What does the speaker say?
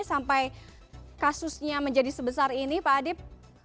sampai kasusnya menjadi sebesar ini pak adip